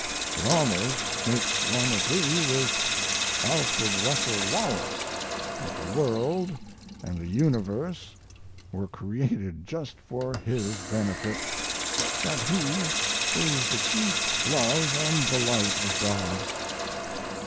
It almost makes one agree with Alfred Russel Wallace that the world and the universe were created just for his benefit, that he is the chief love and delight of God.